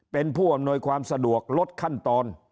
เป็นผู้อำนวยความสะดวกลดขั้นตอน